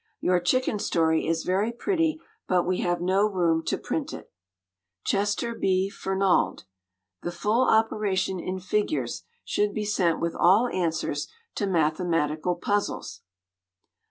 Your chicken story is very pretty, but we have no room to print it. CHESTER B. FERNALD. The full operation in figures should be sent with all answers to mathematical puzzles.